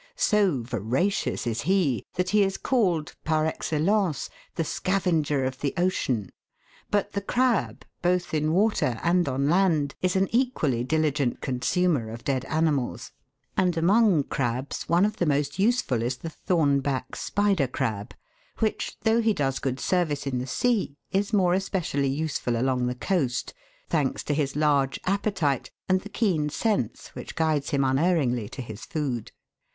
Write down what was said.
So voracious is he that he is called, par excellence^ the "scavenger of the ocean," but the crab, both in water and on land is an equally diligent consumer of dead animals ; and among crabs one of the most useful is the Thorn back Spider crab, which, though he does good service in the sea, is more especially useful along the coast, thanks to his large appetite and the keen sense which guides him unerringly to his food.